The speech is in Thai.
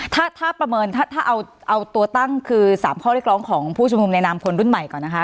ถ้าประเมินถ้าเอาตัวตั้งคือ๓ข้อเรียกร้องของผู้ชุมนุมในนามคนรุ่นใหม่ก่อนนะคะ